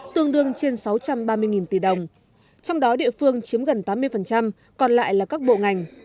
tương đương trên sáu trăm ba mươi tỷ đồng trong đó địa phương chiếm gần tám mươi còn lại là các bộ ngành